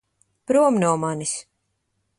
Prom no manis!